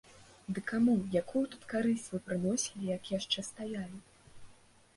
Ды каму, якую тут карысць вы прыносілі, як яшчэ стаялі?